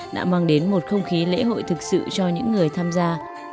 đã mang đến một không khí lễ hội thực sự cho những người tham gia